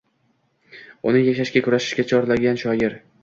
Uni yashashga, kurashishga chorlagan shior.